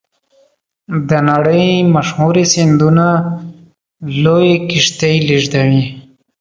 د نړۍ مشهورې سیندونه لویې کښتۍ لیږدوي.